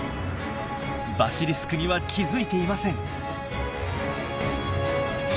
バシリスクには気付いていません。